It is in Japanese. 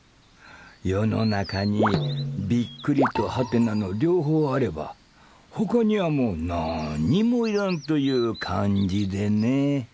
世の中に「！」と「？」の両方あればほかにはもう何にもいらんという感じでね。